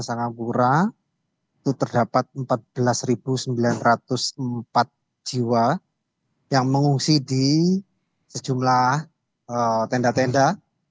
singapura itu terdapat empat belas sembilan ratus empat jiwa yang mengungsi di sejumlah tenda tenda